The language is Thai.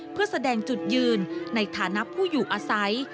เพื่อแสดงจุดยืนในฐานะผู้อยู่อาศัย